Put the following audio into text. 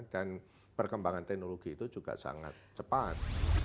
dan perkembangan teknologi itu juga sangat cepat